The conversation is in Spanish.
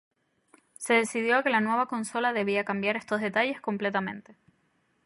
Se decidió que la nueva consola debía cambiar estos detalles completamente.